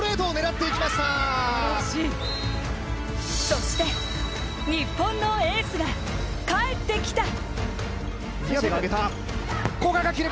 そして、日本のエースが帰ってきた！